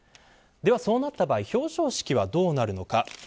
では、そうなった場合表彰式はどうなるのか。